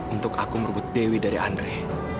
untuk aku merebut dewi dari andre